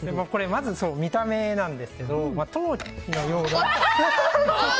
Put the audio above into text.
まず見た目なんですけど陶器のような。